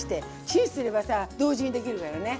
チンすればさ同時にできるからね。